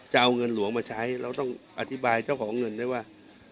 จะเอาเงินหลวงมาใช้เราต้องอธิบายเจ้าของเงินได้ว่า